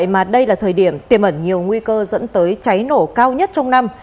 mà đây là thời điểm tiềm ẩn nhiều nguy cơ dẫn tới cháy nổ cao nhất trong năm